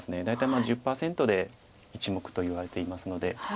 大体１０％で１目といわれていますので。